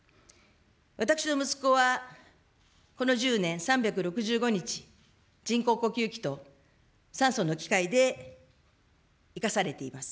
私の息子はこの１０年、３６５日、人工呼吸器と酸素の機械で生かされています。